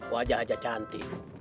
wajah aja cantik